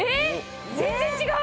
全然違う！